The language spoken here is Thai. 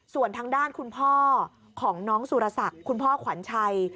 ส่วนทางด้านคุณพ่อของน้องสุรศักดิ์คุณพ่อขวัญชัย